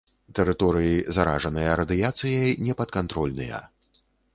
Тэрыторыі, заражаныя радыяцыяй, непадкантрольныя.